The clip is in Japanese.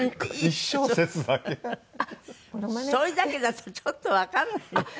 それだけだとちょっとわからないね。